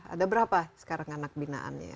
ada berapa sekarang anak binaannya